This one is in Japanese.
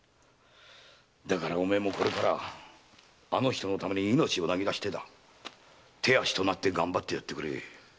だからお前もこれからはあの人のために命を投げ出して手足となって頑張ってやってくれ。